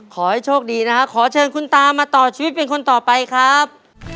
ขอให้โชคดีนะครับขอเชิญคุณตามาต่อชีวิตเป็นคนต่อไปครับ